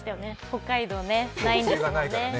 北海道ね、ないんですよね。